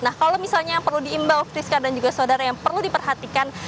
nah kalau misalnya yang perlu diimbau friska dan juga saudara yang perlu diperhatikan